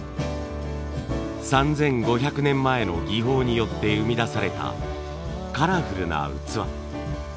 ３，５００年前の技法によって生み出されたカラフルな器。